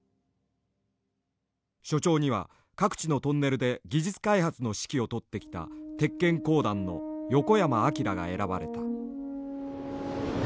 所長には各地のトンネルで技術開発の指揮を執ってきた鉄建公団の横山章が選ばれた。